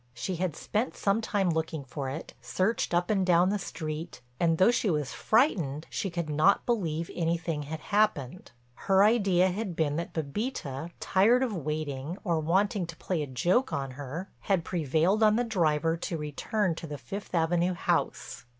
She had spent some time looking for it, searched up and down the street, and, though she was frightened, she could not believe anything had happened. Her idea had been that Bébita, tired of waiting or wanting to play a joke on her, had prevailed on the driver to return to the Fifth Avenue house.